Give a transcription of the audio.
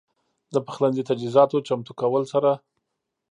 د پخلنځي تجهيزاتو چمتو کولو سره